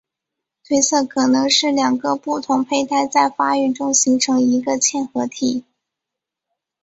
推测可能是两个不同胚胎在发育中形成一个嵌合体。